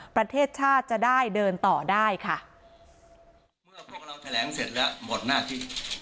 ประเทศชาติจะได้เดินต่อได้ค่ะเมื่อพวกเราแถลงเสร็จแล้วหมดหน้าที่